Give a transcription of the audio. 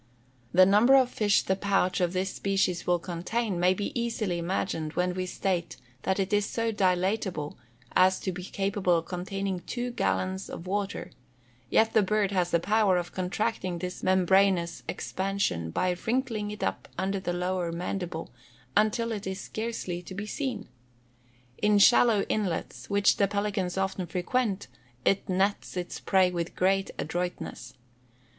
The number of fish the pouch of this species will contain may be easily imagined when we state that it is so dilatable as to be capable of containing two gallons of water; yet the bird has the power of contracting this membranous expansion, by wrinkling it up under the lower mandible, until it is scarcely to be seen. In shallow inlets, which the pelicans often frequent, it nets its prey with great adroitness.